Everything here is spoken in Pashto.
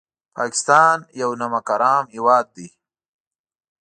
پاکستان یو نمک حرام هېواد دی